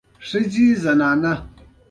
فعالان دي عملي کار پیل کړي.